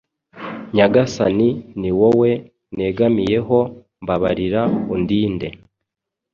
Nyagasani ni wowe negamiyeho mbabarira undinde